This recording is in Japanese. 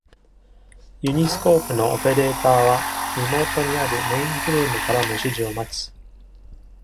ユニスコープのオペレーターは、リモートにあるメインフレームからの指示を待つ。